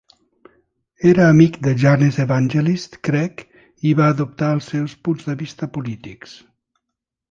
Era amic de Janez Evangelist Krek i va adoptar els seus punts de vista polítics.